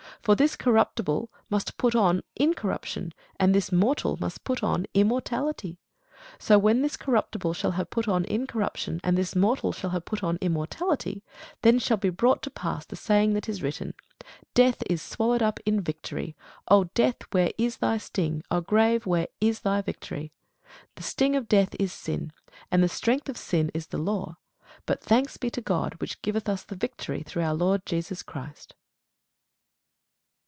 For this corruptible must put on incorruption, and this mortal must put on immortality. So when this corruptible shall have put on incorruption, and this mortal shall have put on immortality, then shall be brought to pass the saying that is written, Death is swallowed up in victory. O death, where is thy sting? O grave, where is thy victory? The sting of death is sin; and the strength of sin is the law. But thanks be to God, which giveth us the victory through our Lord Jesus Christ.